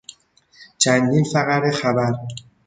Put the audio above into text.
چندین فقره خبر